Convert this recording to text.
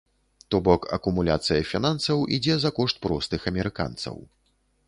То бок акумуляцыя фінансаў ідзе за кошт простых амерыканцаў.